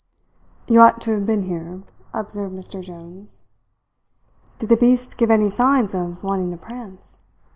"You ought to have been here," observed Mr. Jones. "Did the beast give any signs of wanting to prance?"